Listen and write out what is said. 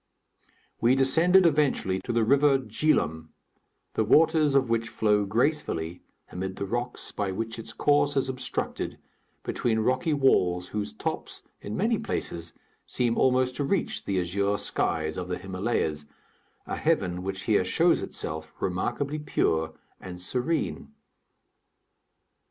We descended eventually to the river Djeloum (Jhelum), the waters of which flow gracefully, amid the rocks by which its course is obstructed, between rocky walls whose tops in many places seem almost to reach the azure skies of the Himalayas, a heaven which here shows itself remarkably pure and serene.